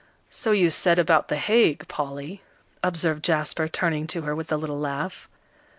"So you said about The Hague, Polly," observed Jasper, turning to her with a little laugh.